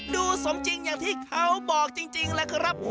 สมจริงอย่างที่เขาบอกจริงแหละครับ